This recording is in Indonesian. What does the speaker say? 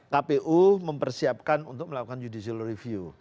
kpu mempersiapkan untuk melakukan judicial review